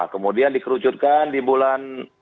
kemudian dikerucutkan di bulan